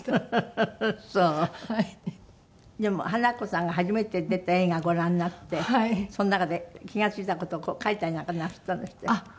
でも華子さんが初めて出た映画をご覧になってその中で気が付いた事をこう書いたりなんかなすったんですって？